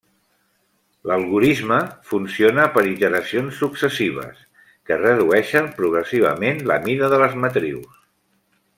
L'algorisme funciona per iteracions successives, que redueixen progressivament la mida de les matrius.